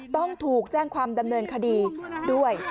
ต้องถูกแจ้งความดำเนินคดีด้วย